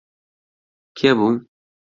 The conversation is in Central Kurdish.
کێ بوو؟